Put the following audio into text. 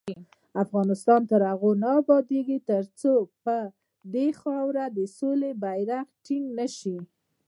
افغانستان تر هغو نه ابادیږي، ترڅو پر دې خاوره د سولې بیرغ ټینګ نشي.